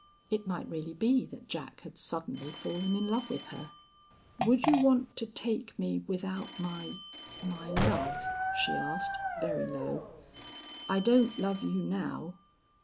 It might really be that Jack had suddenly fallen in love with her. "Would you want to take me without my my love?" she asked, very low. "I don't love you now.